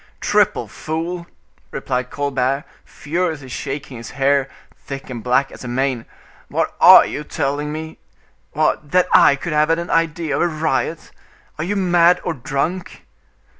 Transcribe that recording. "Triple fool!" replied Colbert, furiously shaking his hair, thick and black as a mane; "what are you telling me? What! that I could have had an idea of a riot! Are you mad or drunk?"